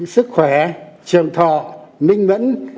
sức khỏe trường thọ minh mẫn